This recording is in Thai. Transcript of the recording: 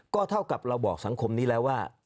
ก็เท่ากับเราบอกสังคมนี้แล้วว่า